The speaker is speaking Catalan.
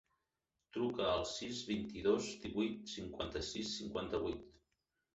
Truca al sis, vint-i-dos, divuit, cinquanta-sis, cinquanta-vuit.